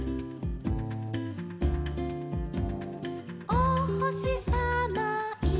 「おほしさまいるよ」